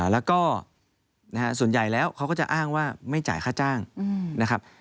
แล้วก็ส่วนใหญ่แล้วเขาก็จะอ้างว่าไม่จ่ายค่าจ้างนะครับ